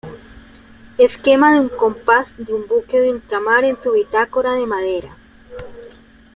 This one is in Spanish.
Esquema de un compás de un buque de ultramar en su bitácora de madera.